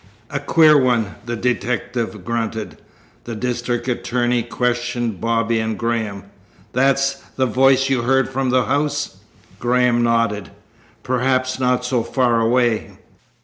"A queer one!" the detective grunted. The district attorney questioned Bobby and Graham. "That's the voice you heard from the house?" Graham nodded. "Perhaps not so far away."